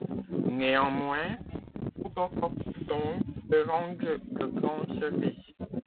Néanmoins, tout autochtone peut rendre de grands services.